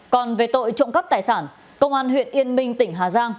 còn về tội trộm cắp tài sản công an huyện yên minh tỉnh hà giang